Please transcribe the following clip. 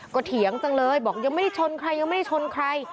ก็เถียงจังเลยบอกยังไม่ชนใคร